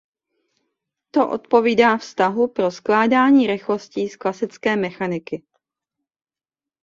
To odpovídá vztahu pro skládání rychlostí z klasické mechaniky.